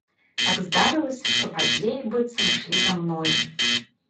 Так здарылася, што падзеі быццам ішлі за мною.